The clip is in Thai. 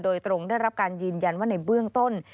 โดยตรงได้รับการยืนยันว่าในเบื้องต้น